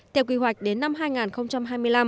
theo quy hoạch đến năm hai nghìn hai mươi năm